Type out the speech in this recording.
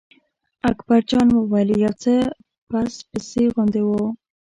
اکبر جان وویل: یو څه پس پسي غوندې و.